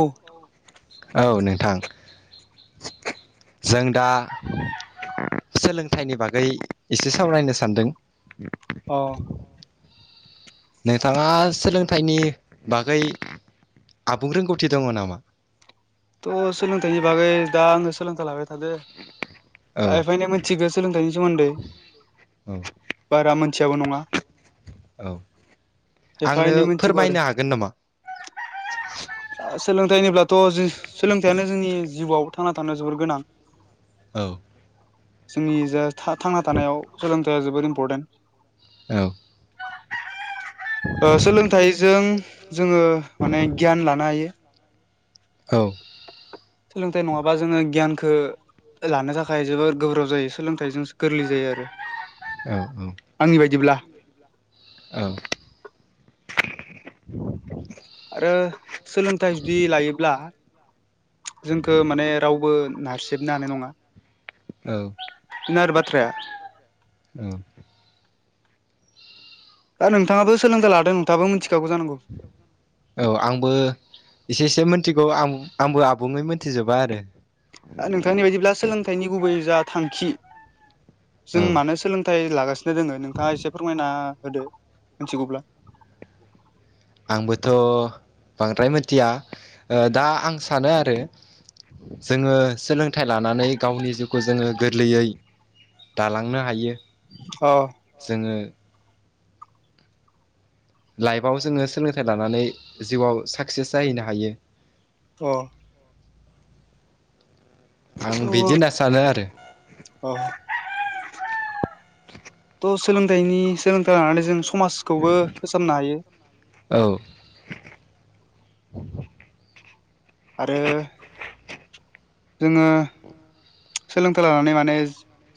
औ [unintelligible] औ नोंथां जों दा सोलोंथाइनि बागै एसे सावरायनो सानदों। अ नोंथाङा सोलोंथाइनि बागै आबुं रोंगौथि दङ नामा? थ' सोलोंथाइनि बागै दा आङो सोलोंथाइ लाबाय थादो दा औ एफायनो थिगो सोलोंथाइनि सोमोन्दै औ बारा मोनथियाबो नङा औ एफा आंनो एनै मोनथिगौ फोरमायनो हागोन नामा ओ सोलोंथाइ होनब्लाथ' जों सोलोंथाइयानो जोंनि जिउआव थांना थानो जोबोर गोनां औ जोंनि जा थांना थानायाव सोलोंथाइया जोबोद इम्परटेन्ट औ ओ सोलोंथाइजों जोङो माने गियान लानो हायो औ सोलोंथाइ नङाबा जोङो गियानखौ लानो थाखाय जोबोर गोब्राब जायो सोलोंथाइजोंसो गोरलै जायो आरो औ औ आंनि बायदिब्ला औ आरो सोलोंथाइ जुदि लायोब्ला जोंख माने रावबो नारसिबनो हानाय नङा औ बिदिनो आरो बाथ्राया औ दा नोंथाङाबो सोलोंथाइ लादों नोंथाङाबो मिथिखागौ जानांगौ औ आंबो एसे एसे मिथिगौ आ आंबो आबुङै मोनथिजोबा आरो नोंथांनि बायदिब्ला सोलोंथाइनि गुबै जा थांखि औ जों मानो सोलोंथाइ लागासिनो दोङो नोंथाङा एसे फोरमायना होदो मिथिगौब्ला आंबोथ' बांद्राय मिथिया दा आं सानो आरो जोङो सोलोंथाइ लानानै गावनि जिउखौ जोङो गोरलैयै दालांनो हायो अ जोङो लाइफआव जोङो सोलोंथाइ लानानै जिउआव साक्सेस जाहैनो हायो अ आं दाथ बिदि होनना सानो आरो अ [inaudible] थ' सोलोंथाइनि सोलोंथाइ लानानै जों समाजखौबो फोसाबनो हायो। औ आरो जोङो सोलोंथाइ लानानै माने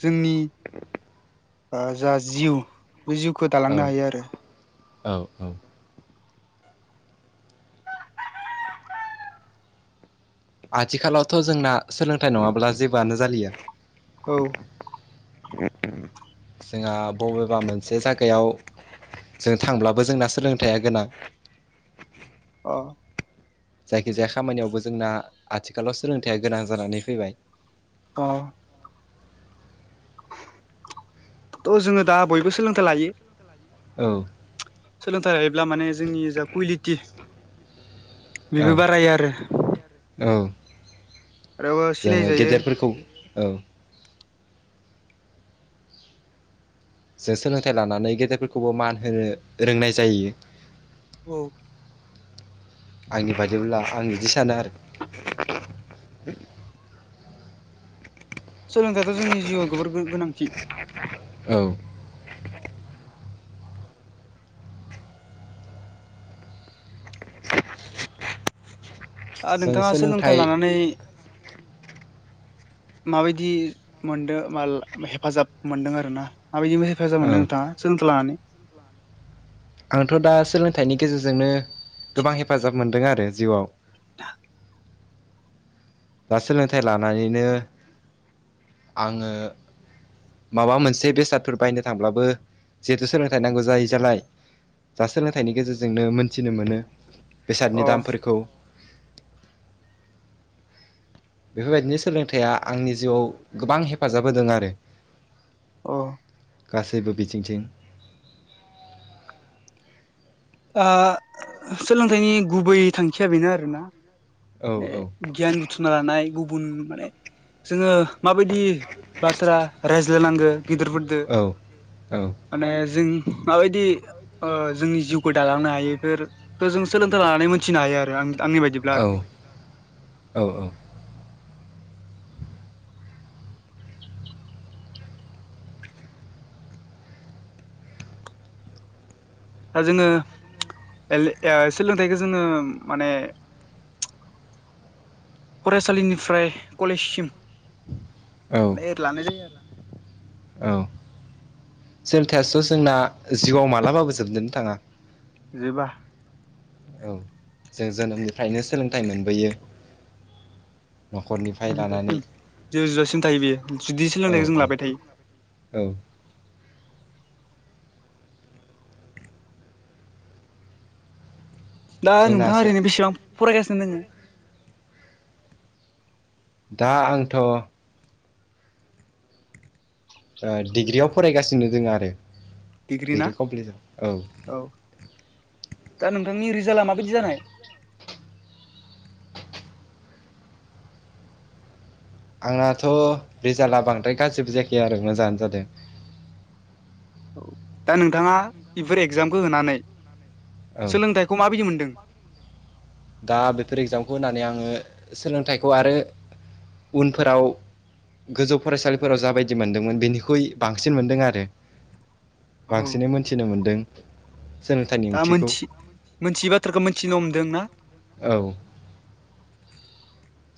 जोंनि जा जिउ बे जिउखौ औ दालांनो हायो आरो औ औ आथिखालावथ' जोंना सोलोंथाइ नङाब्ला जेबोआनो जालिया औ एथ जोंहा बबेबा मोनसे जायगायाव जों थांब्लाबो जोंना सोलोंथाइया गोनां अ जायखिजाया खामानियावबो जोंना आथिखालाव सोलोंथाइया गोनां जानानै फैबाय औ थ' जोङो दा बयबो सोलोंथाइ लायो औ सोलोंथाइ लायोब्ला माने जोंनि जा कुवालिटि औ बेबो बारायो आरो औ रावो जोङो सिनायजायो गेदेरफोरखौ औ जों सोलोंथाइ लानानै गेदेरफोरखौबो मान होनो रोंनाय जायो औ आंनि बाददिब्ला आं बिदि सानो आरो सोलोंथायाथ' जोंनि जिउआव जोबोर गोनांथि औ नोंथाङा सोलोंथाइ लानानै [inaudible] माबायदि मोनदों मा हेफाजाब मोनदों आरोना माबायदि औ हेफाजाब मोनदों नोंथाङा सोलोंथाइ लानानै आंथ' दा सोलोंथाइनि गेजेरजोंनो गोबां हेफाजाब मोनदों आरो जिउआव [inaudible] दा सोलोंथाइ लानानैनो आङो माबा मोनसे बेसादफोर बायनो थांब्लाबो जिहेथु सोलोंथाइ नांगौ जायैजालाय जा सोलोंथाइनि गेजेरजोंनो मोनथिनो मोनो अ बेसादनि दामफोरखौ बेफोरबायदिनो सोलोंथाइया आंनि जिउआव गोबां हेफाजाब होदों आरो अ गासैबो बिथिंथिं आ सोलोंथाइनि गुबै थांखिया बेनो आरोना औ गियान बुथुमना लानाय गुबुन माने जोङो माबायदि बाथ्रा रायज्लायनांगो गिदिरफोरदो औ औ माने जों माबायदि जोंनि जिउ खौ दालांनो हायोफोर फोरखौ जों सोलोंथाइ लानानै मोनथिनो हायो आरो आं आंनि बायदिब्ला आरो औ-औ-औ दा जोङो सोलोंथाइखौ जोङो माने फरायसालिनिफ्राय कलेजसिम औ माने लानाय जायो आरो औ सोलोंथायाथ जोंना जिउआव मालाबाबो जोबजोनो थाङा जोबा औ जों जोनोमनिफ्रायनो सोलोंथाइ मोनबोयो न'खरनिफ्राय लानानै जोबजासिम जे जोबजासिम थायो बेयो जुदि औ सोलोंथाइखौ जों औ लाबाय थायो औ दा नोंथाङा जोंनासो ओरैनो बेसेबां फरायगासिनो दोङो दा आंथ' ओ डिग्रियाव फरायगासिनो दोङो आरो डिग्रि ना औ दा नोंथांनि रिजाल्टा माबायदि जानाय आंनाथ' रिजाल्टआ बांद्राय गाज्रिबो जायाखै आरो मोजाङानो जादों औ दा नोंथाङा बेफोर एगजामखौ होनानै औ सोलोंथाइखौ माबायदि मोनदों दा बेफोर एग्जामखौ होनानै आङो सोलोंथाइखौ आरो उनफोराव गोजौ फरायसालिफोराव जाबायदि मोनदोंमोन बेनिख्रुइ बांसिन मोनदों आरो औ बांसिनै मोनथिनो मोनदों सोलोंथाइनि दा ओंथिखौ मोनथि मोनथियै बाथ्राखौ मिथिनो हमदों ना औ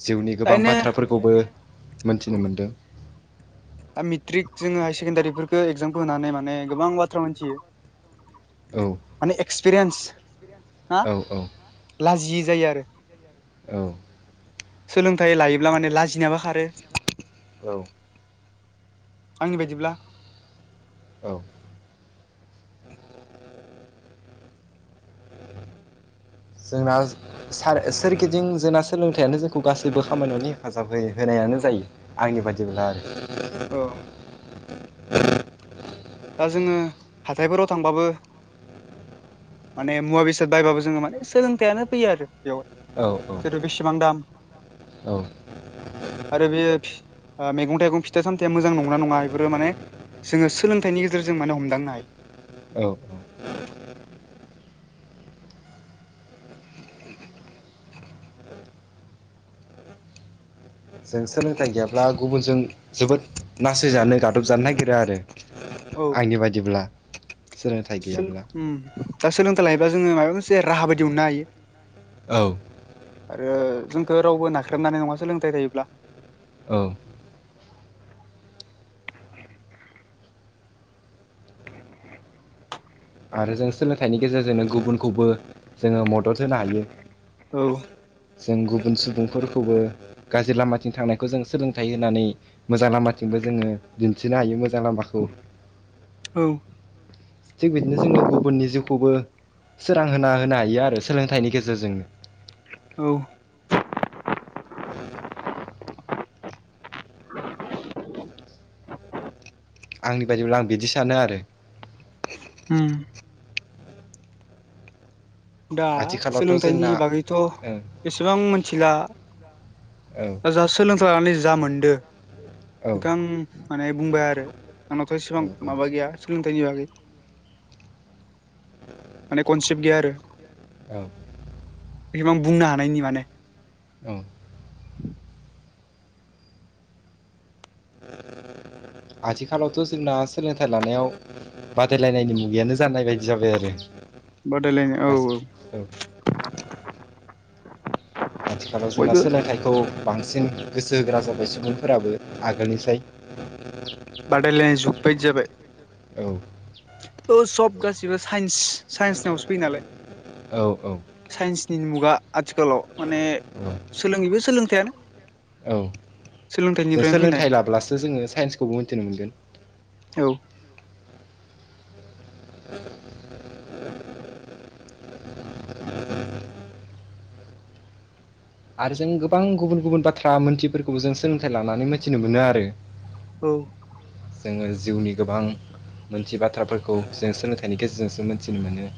जिउनि गोबां दायनो बाथ्राफोरखौबो औ मोनथिनो मोन्दों दा मेट्रिक जोङो हायार सेकेण्डारिफोरखौ एगजामखौ होनानै माने गोबां बाथ्रा मिथियो औ माने एक्सपिरियेन्स औ-औ लाजियो जायो आरो औ सोलोंथाइ लायोब्ला माने लाजिनायाबो खारो औ आंनि बायदिब्ला औ जोंना सोरगिदिं जोंना सोलोंथाइयानो जोंखौ गासैबो खामानियावनो हेफाजाब होयो होनायानो जायो आंनि बायदिब्ला आरो अ दा जोङो हाथायफोराव थांबाबो माने मुवा बेसाद बायबाबो जोङो माने सोलोंथायानो फैयो आरो बेयाव औ औ बेसिबां दाम औ आरो बे मैगं थाइगं फिथा सामथाया मोजां नंगौ ना नङा बेफोरो माने जोङो सोलोंथाइनि गेजेरजों माने हमदांनो हायो औ जों सोलोंथाइ गैयाब्ला गुबुनजों जोबोद नासयजानो गादबजानो नागिरो आरो औ आंनि बायदिब्ला सोलोंथाइ गैयाब्ला ओम दा सोलोंथाइ लायोबा जोङो माबा मोनसे राहा बायदि मोननो हायो औ आरो जोंखौ रावबो नाख्रेबनो हानाय नङा सोलोंथाइ थायोब्ला औ आरो जों सोलोंथाइनि गेजेरजोंनो गुबुनखौबो जोङो मदद होनो हायो औ जों गुबुन सुबुंफोरखौबो गाज्रि लामाथिं थांनायखौ जों सोलोंथाइ होनानै मोजां लामाथिंबो जोङो दिन्थिनो हायो मोजां लामाखौ औ थिक बिदिनो जोङो गुबुननि जिउखौबो सोरां होना होनो हायो आरो सोलोंथाइनि गेजेरजोंनो औ [inaudible] आंनि बायदिब्ला आं बिदि सानो आरो उम दा आथिखालावथ' सोलोंथाइनि जोंना बागैथ' ओं बेसेबां मिथिला औ दा जा सोलोंथाइ लानानै जा मोनदों औ नोंथां माने बुंबाय आरो आंनावथ' एसेबां औ माबा गैया सोलोंथाइनि बागै माने कनसेप्ट गैया आरो औ बेसेबां बुंनो हानायनि माने औ आथिखालावथ' जोंना सोलोंथाइ लानायाव बादायलायनायनि मुगायानो जानाय बायदि जाबाय आरो बादायलायनाय औ औ औ आथिखालाव जोंना बयबो सोलोंथाइखौ बांसिन गोसो होग्रा जाबाय सुबुंफोराबो आगोलनिसाय बादायलायनाय जुग बायदि जाबाय औ औ सब गासिबो साइन्स साइन्सनियावसो फैयो नालाय औ औ साइन्सनि मुगा आथिखालाव माने औ सोलोङैबो सोलोंथायानो औ जों फैनाय सोलोंथाइ लाब्लासो जोङो साइन्सखौबो मिथिनो मोनगोन औ आरो जों गोबां गुबुन गुबुन बाथ्रा मोनथियिफोरखौबो जों सोलोंथाइ लानानै मिथिनो मोनो आरो औ जोङो जिउनि गोबां मोनसे बाथ्राफोरखौ जों सोलोंथाइनि गेजेरजोंसो मोनथिनो मोनो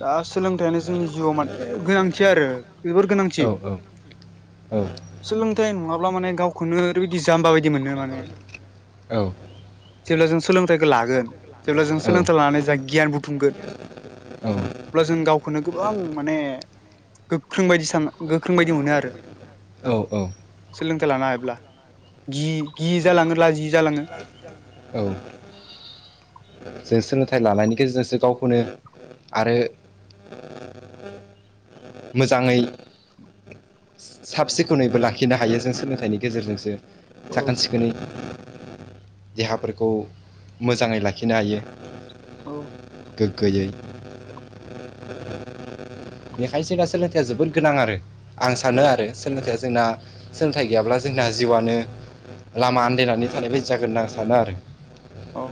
दा सोलोंथाइयानो जोंनि जिउआव माने गोनांथि आरो जोबोर गोनांथि औ औ औ सोलोंथाइ नङाब्ला माने गावखौनो ओरैबायदि जामबा बायदि मोनो माने औ जेब्ला जों सोलोंथाइखौ लागोन जेब्ला जों औ सोलोंथाइ लानानै जों गियान बुथुमगोन अब्ला जों गावखौनो गोबां माने गोख्रों बायदि सान गोख्रों बायदि मोनो आरो औ औ सोलोंथाइ लानो हायोब्ला गि गियै जालाङो लाजियै जालाङो औ जों सोलोंथाइ लानायनि गेजेरजोंसो गावखौनो आरो मोजाङै साब सिखोनैबो लाखिनो हायो जों सोलोंथाइनि गेजेरजोंसो औ साखोन सिखोन बिदिनि देहाफोरखौ मोजाङै लाखिनो हायो औ गोग्गोयै बेनिखायनो दा सोलोंथाइया जोबोद गोनां आरो आं सानो औ आरो सोलोंथाइया जोंना सोलोंथाइ गैयाब्ला जोंना जिउआनो लामा आनदानानै थानाय बायदि जागोन होनना आं सानो आरो औ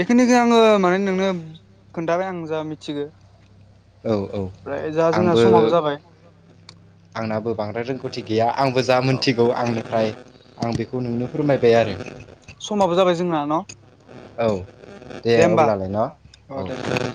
बेखिनिखौ आङो माने नोंनो खोनथाबाय आं जा मिथिगौ औ औ जोंना आंबो समाबो जाबाय आंनाबो बांद्राय रोंगौथि गैया आंबो जा औ मोनथिगौ आंनिफ्राय आं बेखौ नोंनो फोरमायबाय आरो समाबो जाबाय जोंना न' औ दे अब्लालाय न' औ